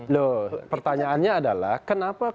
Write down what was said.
so pertanyaannya adalah kenapa